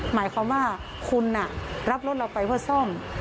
หมายความว่าคุณรับรถเราไปเพื่อซ่อม